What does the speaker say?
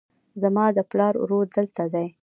زما د پلار ورور دلته دی